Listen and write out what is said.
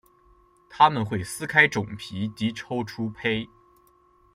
它们会撕开种皮及抽出胚。